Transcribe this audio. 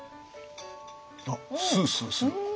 あっスースーする。